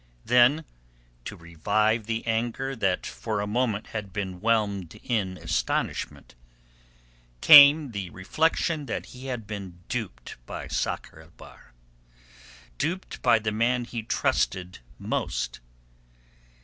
Then to revive the anger that for a moment had been whelmed in astonishment came the reflection that he had been duped by Sakr el Bahr, duped by the man he trusted most.